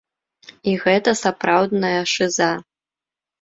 І гэта сапраўдная шыза.